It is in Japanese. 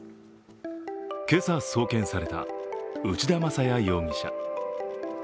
今朝送検された内田正也容疑者。